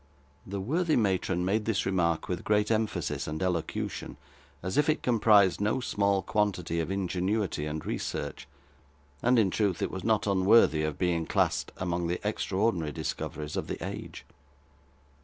The worthy matron made this remark with great emphasis and elocution, as if it comprised no small quantity of ingenuity and research; and, in truth, it was not unworthy of being classed among the extraordinary discoveries of the age.